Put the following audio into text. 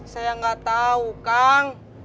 saya gak tau kang